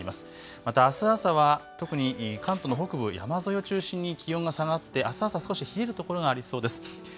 またあす朝は特に関東の北部山沿いを中心に気温が下がってあす朝、少し冷えるところがありそうです。